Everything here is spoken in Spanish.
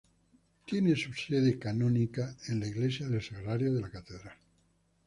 Tiene su sede canónica en la iglesia del Sagrario de la catedral.